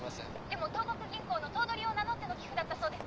でも東国銀行の頭取を名乗っての寄付だったそうで。